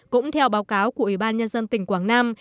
cũng theo báo cáo của ủy ban nhân dân tỉnh quảng nam